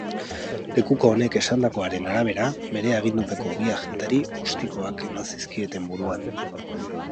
Lekuko honek esandakoaren arabera, bere agindupeko bi agenteri ostikoak eman zizkieten buruan.